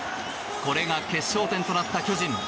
これが決勝点となった巨人。